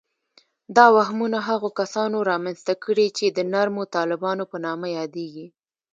دا وهمونه هغو کسانو رامنځته کړي چې د نرمو طالبانو په نامه یادیږي